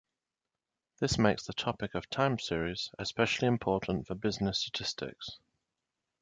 This makes the topic of time series especially important for business statistics.